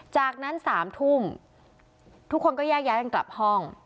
จากนั้น๓ทุ่มทุกคนก็แยกย้ายกันกลับห้อง